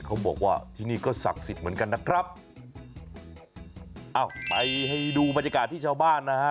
เขาบอกว่าที่นี่ก็ศักดิ์สิทธิ์เหมือนกันนะครับอ้าวไปให้ดูบรรยากาศที่ชาวบ้านนะฮะ